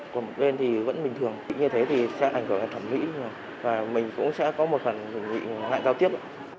còn bên thì vẫn bình thường như thế thì sẽ ảnh hưởng đến thẩm mỹ và mình cũng sẽ có một phần mình bị ngại giao tiếp